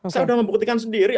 saya udah membuktikan sendiri